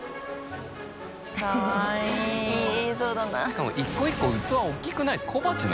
しかも１個１個器大きくないですか？